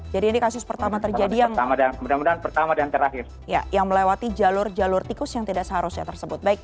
jadi ini kasus pertama terjadi yang melewati jalur jalur tikus yang tidak seharusnya tersebut